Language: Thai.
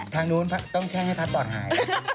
ทางนู้นต้องแช่งให้พัดปอดหาย